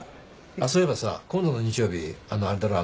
そういえばさ今度の日曜日あのあれだろ？